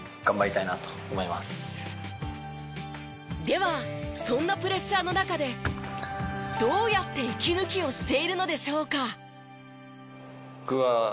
ではそんなプレッシャーの中でどうやって息抜きをしているのでしょうか？